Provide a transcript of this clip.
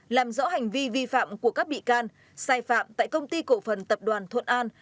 làm rõ hành vi vi phạm của các bị can sai phạm tại công ty cổ phần tập đoàn thuận an